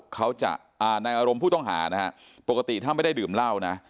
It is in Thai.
นายอารมณ์ผู้ต้องหานะครับปกติถ้าไม่ได้ดื่มเหล้านะ